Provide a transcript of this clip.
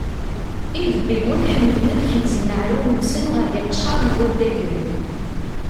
Idebbiwen ḥemmlen ad kemzen aεrur-nsen ɣer yiqcer n waddagen.